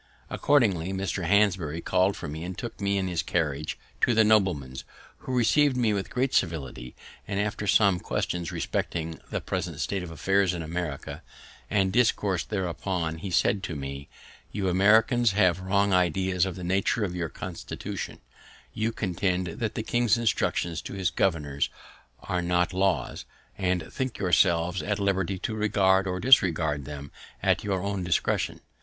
Accordingly Mr. Hanbury called for me and took me in his carriage to that nobleman's, who receiv'd me with great civility; and after some questions respecting the present state of affairs in America and discourse thereupon, he said to me: "You Americans have wrong ideas of the nature of your constitution; you contend that the king's instructions to his governors are not laws, and think yourselves at liberty to regard or disregard them at your own discretion.